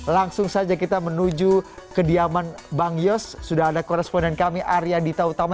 langsung saja kita menuju kediaman bang yos sudah ada koresponden kami arya dita utama